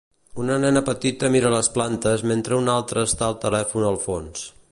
Una nena petita mira les plantes mentre una altra està al telèfon al fons.